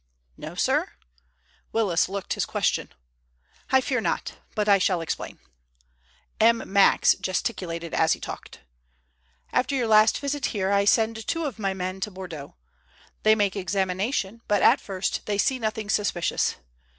"No, sir?" Willis looked his question. "I fear not. But I shall explain," M. Max gesticulated as he talked. "After your last visit here I send two of my men to Bordeaux. They make examination, but at first they see nothing suspicious.